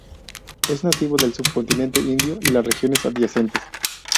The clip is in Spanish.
Es nativo del subcontinente Indio y las regiones adyacentes.